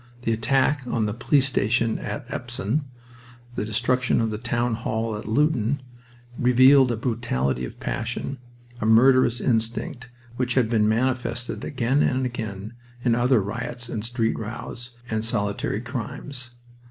The attack on the police station at Epsom, the destruction of the town hall at Luton, revealed a brutality of passion, a murderous instinct, which have been manifested again and again in other riots and street rows and solitary crimes.